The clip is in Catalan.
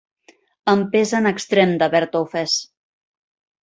Em pesa en extrem d'haver-te ofès.